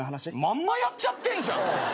まんまやっちゃってんじゃん！